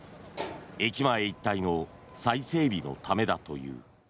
駅前一帯の再整備のためだという。